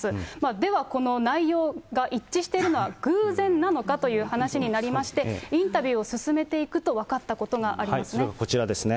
では、この内容が一致しているのは、偶然なのかという話になりまして、インタビューを進めていくと分かったことがありますね。